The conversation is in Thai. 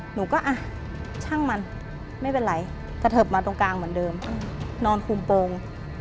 หนูก็อ่ะช่างมันไม่เป็นไรกระเทิบมาตรงกลางเหมือนเดิมนอนคุมโปรง